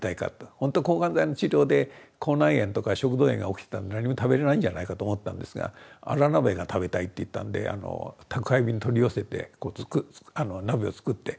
ほんとは抗がん剤の治療で口内炎とか食道炎が起きてたんで何も食べれないんじゃないかと思ったんですがあら鍋が食べたいって言ったんで宅配便で取り寄せて鍋を作って。